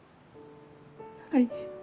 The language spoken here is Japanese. はい。